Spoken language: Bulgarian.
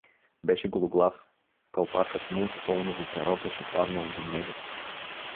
Беше гологлав, калпакът му с пауновото перо беше паднал до него.